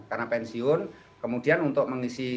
karena pensiun kemudian untuk mengisi